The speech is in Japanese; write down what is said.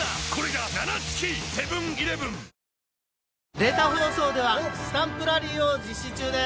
データ放送ではスタンプラリーを実施中です。